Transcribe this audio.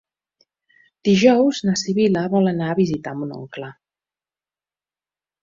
Dijous na Sibil·la vol anar a visitar mon oncle.